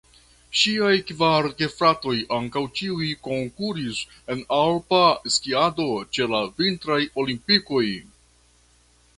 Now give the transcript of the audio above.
Ŝiaj kvar gefratoj ankaŭ ĉiuj konkuris en alpa skiado ĉe la vintraj olimpikoj.